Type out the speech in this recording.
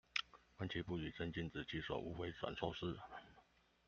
觀棋不語真君子，起手無回轉壽司